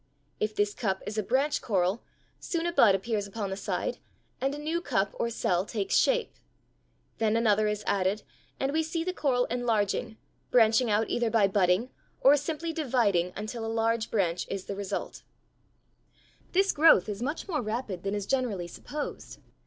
If this cup is a branch coral, soon a bud appears upon the side, and a new cup or cell takes shape. Then another is added, and we see the coral enlarging, branching out either by budding or simply dividing until a large branch is the result. [Illustration: FIG. 39. Sections of a coral cell.] This growth is much more rapid than is generally supposed.